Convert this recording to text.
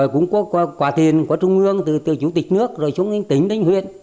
cũng có quà tiền của trung ương từ từ chủ tịch nước rồi xuống đến tỉnh đến huyện